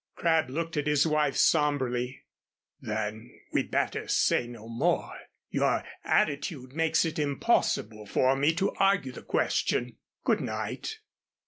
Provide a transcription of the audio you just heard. Crabb looked at his wife sombrely. "Then we'd better say no more. Your attitude makes it impossible for me to argue the question. Good night."